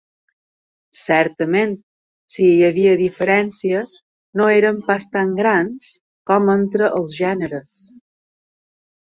Certament, si hi havia diferències, no eren pas tan grans com entre els gèneres.